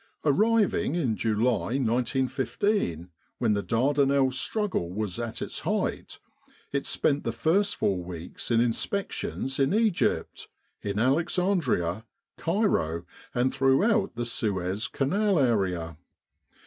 Arriving in July, 1915, when the Dardanelles struggle was at its height, it spent the first four weeks in inspections in Egypt in Alex andria, Cairo, and throughout the Suez Canal area.